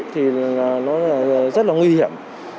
thì nó rất là nguy hiểm